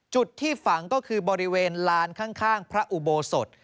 จุดที่ฝังก็คือบริเวณลานข้างพระอุโบสถ